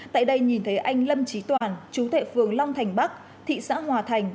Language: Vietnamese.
tại đây nhìn thấy anh lâm trí toàn chú thệ phường long thành bắc thị xã hòa thành